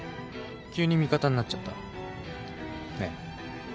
急に味方になっちゃった？ねえ。